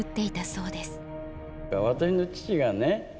私の父がね